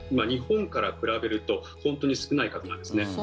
日本から比べると本当に少ない数なんですね。